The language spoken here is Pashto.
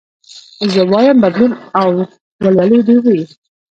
زه وايم بدلون او ولولې دي وي